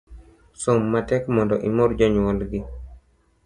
Som matek mondo imor jonyuol gi